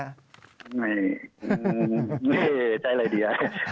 ไม่ไม่ใช้อะไรดี